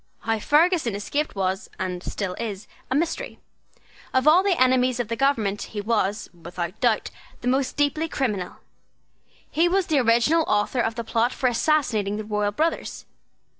How Ferguson escaped was, and still is, a mystery. Of all the enemies of the government he was, without doubt, the most deeply criminal. He was the original author of the plot for assassinating the royal brothers.